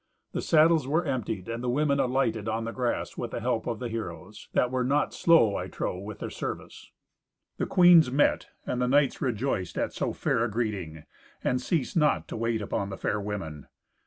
The saddles were emptied, and the women alighted on the grass with the help of the heroes, that were not slow, I trow, with their service! The queens met, and the knights rejoiced at so fair a greeting, and ceased not to wait upon the fair women.